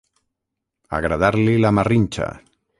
Agradar-li la marrinxa.